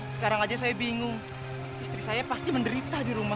sekarang aja saya bingung istri saya pasti menderita di rumah